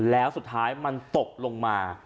แล้วสุดท้ายมันตกลงมา